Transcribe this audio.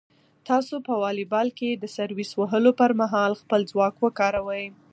تاسو په واليبال کې د سرویس وهلو پر مهال خپل ځواک وکاروئ.